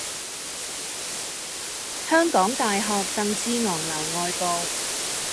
香港大學鄧志昂樓外部